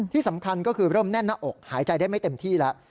ที่สำคัญก็คือเริ่มแน่นหน้าอกหายใจได้ไม่เต็มที่แล้ว